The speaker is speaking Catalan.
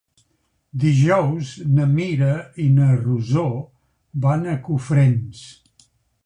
Dijous na Mira i na Rosó van a Cofrents.